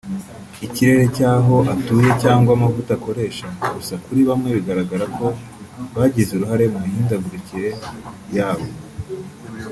ikirere cyaho atuye cyangwa amavuta akoresha gusa kuri bamwe bigaragara ko bagize uruhare mu mihindagurikire yabo